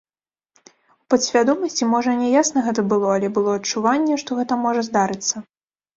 У падсвядомасці, можа не ясна гэта было, але было адчуванне, што гэта можа здарыцца.